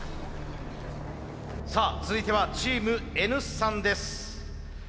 さあ続いてはチームＮ産です。